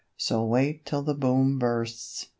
So wait till the Boom bursts!